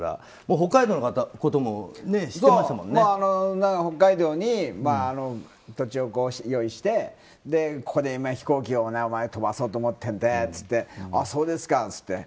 北海道のことも北海道に土地を用意してここで飛行機を飛ばそうと思ってるんだって言ってあ、そうですかって言って。